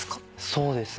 そうですね。